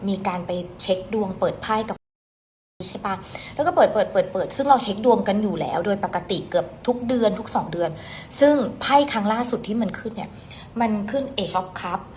มันขึ้นเอศอบครับมันขึ้นราชาถือไม้เท้า